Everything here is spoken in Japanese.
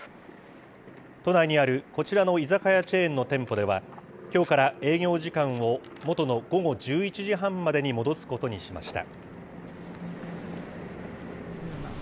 都内にあるこちらの居酒屋チェーンの店舗では、きょうから営業時間を元の午後１１時半までに戻すことにしました。